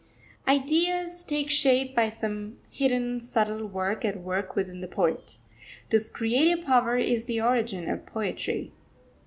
Ideas take shape by some hidden, subtle skill at work within the poet. This creative power is the origin of poetry.